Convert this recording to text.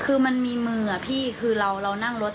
คือมันมีมืออะพี่คือเรานั่งรถ